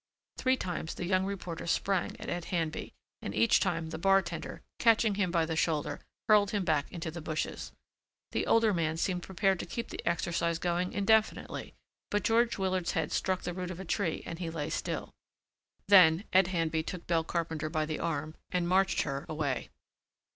Three times the young reporter sprang at Ed Handby and each time the bartender, catching him by the shoulder, hurled him back into the bushes. The older man seemed prepared to keep the exercise going indefinitely but George Willard's head struck the root of a tree and he lay still. Then Ed Handby took Belle Carpenter by the arm and marched her away.